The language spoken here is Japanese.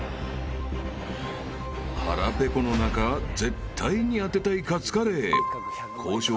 ［腹ペコの中絶対に当てたいカツカレー］